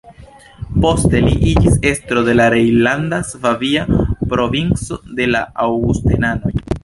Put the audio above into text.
Poste li iĝis estro de la rejnlanda-svabia provinco de la aŭgustenanoj.